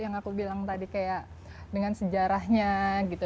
yang aku bilang tadi kayak dengan sejarahnya gitu